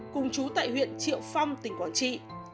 cùng chú tại huyện triệu phong tỉnh quảng trị